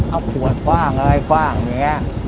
เอาขวดคว่างอะไรคว่างอย่างนี้